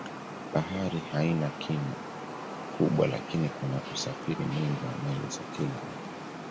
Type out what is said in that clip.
Bahari haina kina kubwa lakini kuna usafiri mwingi wa meli za kila aina.